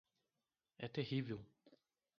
É terrível